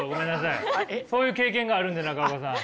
そういう経験があるんで中岡さん。